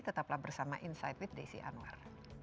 tetaplah bersama insight with desi anwar